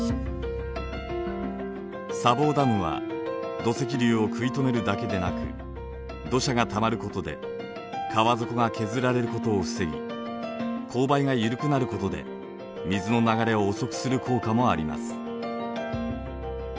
砂防ダムは土石流を食い止めるだけでなく土砂がたまることで川底が削られることを防ぎ勾配が緩くなることで水の流れを遅くする効果もあります。